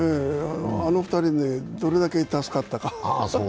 あの２人でどれだけ助かったか。